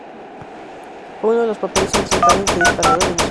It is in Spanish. Fue uno de los papeles principales disparadores de su carrera.